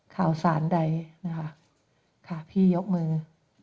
ข่าวสารใดนะคะค่ะพี่ยกมือ